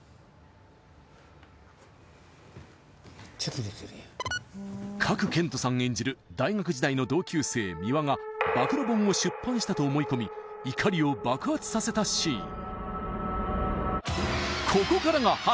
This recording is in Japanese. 温人賀来賢人さん演じる大学時代の同級生三輪が暴露本を出版したと思い込み怒りを爆発させたシーン